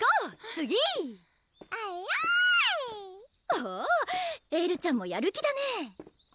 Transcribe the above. おっエルちゃんもやる気だね！